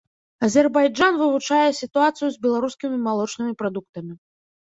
Азербайджан вывучае сітуацыю з беларускімі малочнымі прадуктамі.